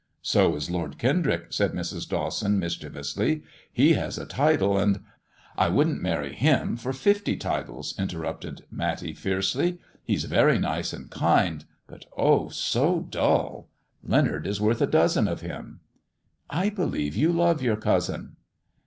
" So is Lord Kendrick," said Mrs. Dawson, mischievously. He has a title, and " "I wouldn't marry him for fifty titles," interrupted Matty fiercely. " He's very nice and kind, but, oh ! so dull. Leonard is worth a dozen of him." " I believe you love your cousin."